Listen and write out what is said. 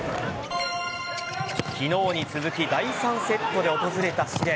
昨日に続き第３セットで訪れた試練。